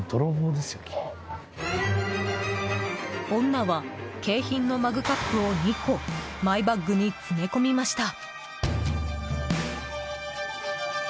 女は景品のマグカップを２個マイバッグに詰め込みました。